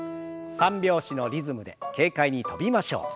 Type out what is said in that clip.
三拍子のリズムで軽快に跳びましょう。